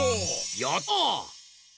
やった！